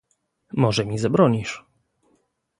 "Może mi zabronisz?..."